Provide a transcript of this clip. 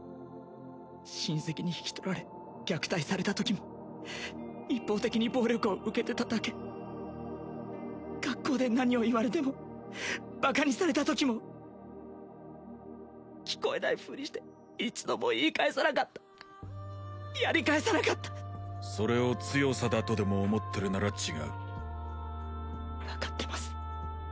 親戚に引き取られ虐待された時も一方的に暴力を受けてただけ学校で何を言われてもバカにされた時も聞こえないふりして一度も言い返さなかったやり返さなかったそれを強さだとでも思ってるなら違う分かってます